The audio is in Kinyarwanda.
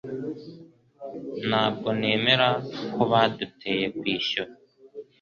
Ntabwo nemera ko baduteye kwishyura